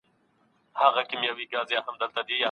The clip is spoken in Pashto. خدای غوږونه درکړي يو ښه شی په واوره .